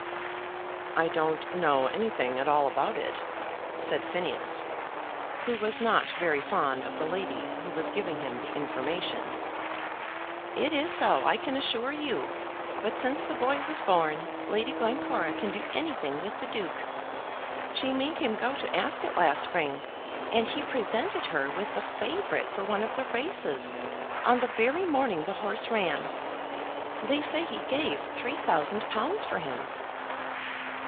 "I don't know anything at all about it," said Phineas, who was not very fond of the lady who was giving him the information. "It is so, I can assure you; but since the boy was born Lady Glencora can do anything with the Duke. She made him go to Ascot last spring, and he presented her with the favourite for one of the races on the very morning the horse ran. They say he gave three thousand pounds for him."